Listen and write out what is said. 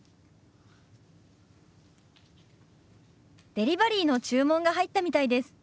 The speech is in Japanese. デリバリーの注文が入ったみたいです。